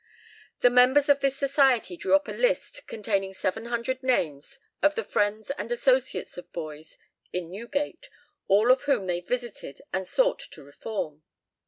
The members of this society drew up a list containing seven hundred names of the friends and associates of boys in Newgate, all of whom they visited and sought to reform.